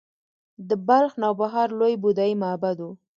د بلخ نوبهار لوی بودايي معبد و